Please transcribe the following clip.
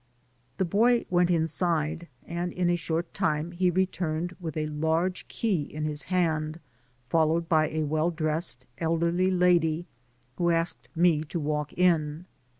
The boy went inside, and in a short time he re turned with a large key in his hand, fdlowed by a« well drest, elderly lady, who asked me to walk in.